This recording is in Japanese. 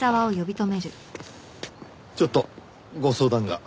ちょっとご相談が。